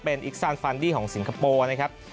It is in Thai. เป็นอิกซานฟานดี้ของสิงคโปร์นะครับ